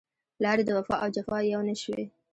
لارې د وفا او جفا يو نه شوې